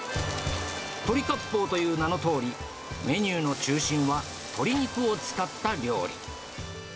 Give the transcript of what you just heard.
鳥割烹という名のとおり、メニューの中心は鶏肉を使った料理。